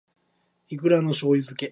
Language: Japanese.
いくらの醬油漬け